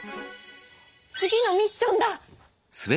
次のミッションだ。